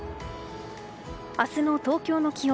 明日の東京の気温。